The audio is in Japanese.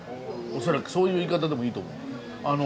恐らくそういう言い方でもいいと思う。